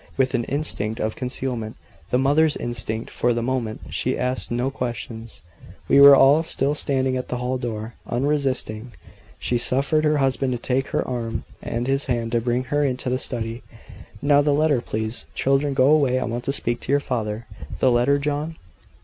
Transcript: With an instinct of concealment the mother's instinct for the moment she asked no questions. We were all still standing at the hall door. Unresisting, she suffered her husband to take her arm in his and bring her into the study. "Now the letter, please! Children, go away; I want to speak to your father. The letter, John?"